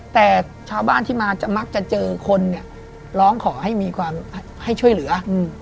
แต่ชาวบ้านที่มาจะมักจะเจอคนเนี่ยร้องขอให้มีความให้ช่วยเหลือ